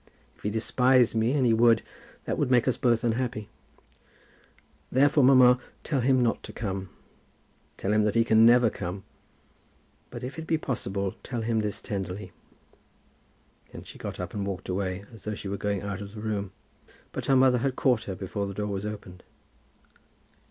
If he despised me, and he would, that would make us both unhappy. Therefore, mamma, tell him not to come; tell him that he can never come; but, if it be possible, tell him this tenderly." Then she got up and walked away, as though she were going out of the room; but her mother had caught her before the door was opened.